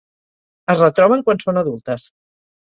Es retroben quan són adultes.